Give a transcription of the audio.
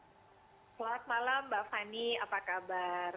selamat malam mbak fani apa kabar